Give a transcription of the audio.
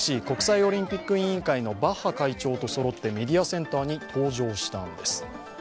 ＩＯＣ＝国際オリンピック委員会のバッハ会長とそろってメディアセンターに登場したんです。